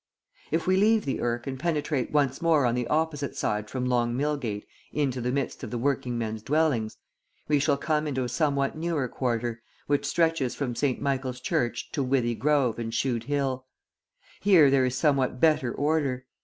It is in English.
If we leave the Irk and penetrate once more on the opposite side from Long Millgate into the midst of the working men's dwellings, we shall come into a somewhat newer quarter, which stretches from St. Michael's Church to Withy Grove and Shude Hill. Here there is somewhat better order.